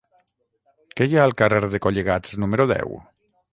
Què hi ha al carrer de Collegats número deu?